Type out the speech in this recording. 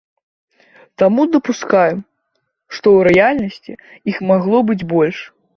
Таму дапускаем, што ў рэальнасці іх магло быць больш.